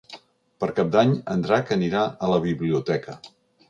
Per Cap d'Any en Drac anirà a la biblioteca.